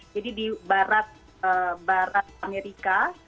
jadi di barat amerika